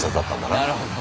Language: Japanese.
なるほど。